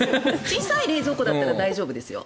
小さい冷蔵庫だったら大丈夫ですよ。